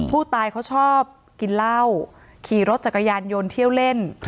ผู้ตายเขาชอบกินเหล้าขี่รถจักรยานยนต์เที่ยวเล่น